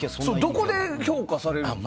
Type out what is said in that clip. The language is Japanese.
どこで評価されるんですか。